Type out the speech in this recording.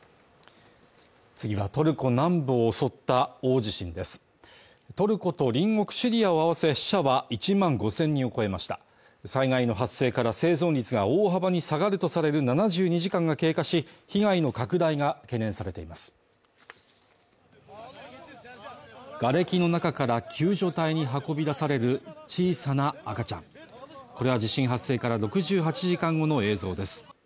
次はトルコ南部を襲った大地震ですトルコと隣国シリアを合わせ死者は１万５０００人を超えました災害の発生から生存率が大幅に下がるとされる７２時間が経過し被害の拡大が懸念されていますがれきの中から救助隊に運び出される小さな赤ちゃんこれは地震発生から６８時間後の映像です